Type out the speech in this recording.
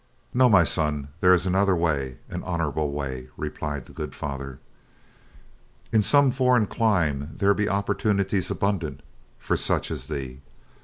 "No, my son, there is another way, an honorable way," replied the good Father. "In some foreign clime there be opportunities abundant for such as thee.